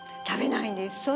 食べないんです。